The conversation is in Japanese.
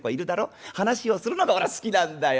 話をするのが俺は好きなんだよ。